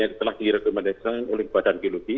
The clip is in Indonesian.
yang telah direkomendasikan oleh badan geologi